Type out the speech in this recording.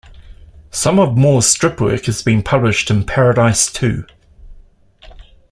Some of Moore's strip work has been published in Paradise, Too!